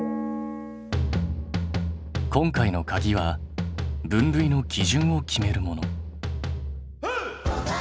今回のかぎは分類の基準を決めるもの。